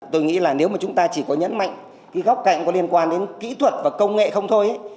tôi nghĩ là nếu mà chúng ta chỉ có nhấn mạnh cái góc cạnh có liên quan đến kỹ thuật và công nghệ không thôi